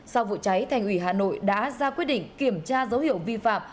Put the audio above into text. sau vụ cháy thành ủy hà nội đã ra quyết định kiểm tra dấu hiệu vi phạm